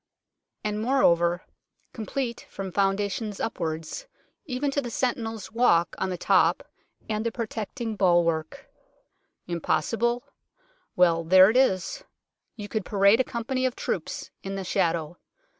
And, moreover, complete from foundations upwards, even to the sentinel's walk on the top and the protecting bulwark. Im possible ? Well, there it is. You could parade a company of troops in the shadow.